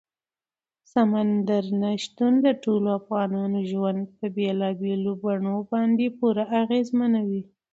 سمندر نه شتون د ټولو افغانانو ژوند په بېلابېلو بڼو باندې پوره اغېزمنوي.